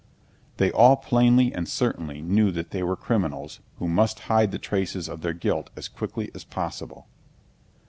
They all plainly and certainly knew that they were criminals who must hide the traces of their guilt as quickly as possible.